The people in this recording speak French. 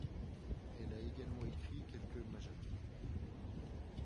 Elle a également écrit quelques maẓāmīn.